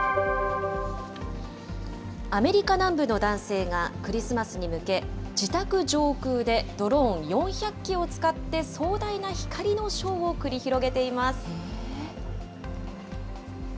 アメリカ南部の男性がクリスマスに向け、自宅上空でドローン４００機を使って壮大な光のショーを繰り広げています。